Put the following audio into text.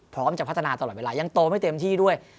พร้อมจะพัฒนาตลอดเวลายังโตไม่เต็มที่ด้วย